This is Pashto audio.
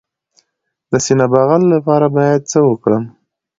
د سینه بغل لپاره باید څه وکړم؟